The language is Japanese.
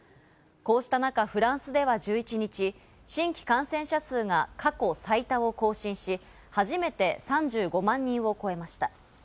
こうした中フランスでは１１日、新規感染者数が過去最多を更新し、初めて３５万人を超えました。